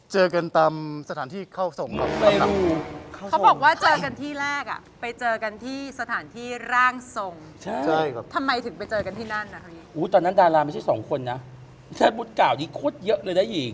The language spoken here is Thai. ให้มองหน้าค่ะให้มองหน้าค่ะ